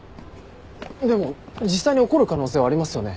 でも実際に起こる可能性はありますよね。